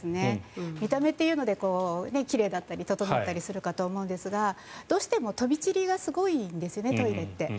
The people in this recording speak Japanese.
見た目というので奇麗だったり整ったりするかと思うんですがどうしても飛び散りがすごいんですね、トイレって。